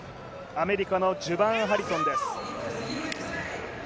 アメリカのジュバーン・ハリソンです。